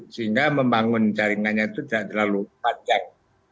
sehingga membangun jaringannya itu tidak terlalu panjang